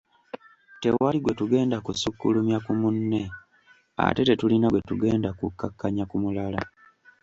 Tewali gwe tugenda kusukkulumya ku munne ate tetulina gwe tugenda kukkakkanya ku mulala.”